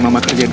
malah mama sudah